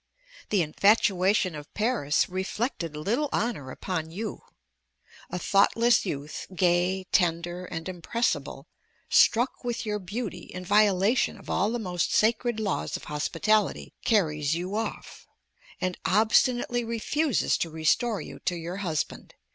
The infatuation of Paris reflected little honor upon you. A thoughtless youth, gay, tender, and impressible, struck with your beauty, in violation of all the most sacred laws of hospitality carries you off, and obstinately refuses to restore you to your husband.